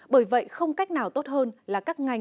bởi vậy không cách nào tốt hơn là các ngành